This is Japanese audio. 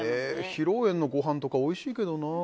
披露宴のごはんとかおいしいけどな。